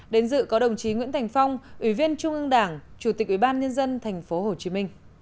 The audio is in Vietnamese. đến dự có đồng chí nguyễn thành phong ủy viên trung ương đảng chủ tịch ủy ban nhân dân tp hcm